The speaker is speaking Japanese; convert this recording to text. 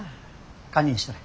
堪忍したれ。